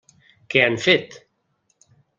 Què han fet?